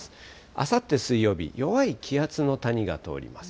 あさって水曜日、弱い気圧の谷が通ります。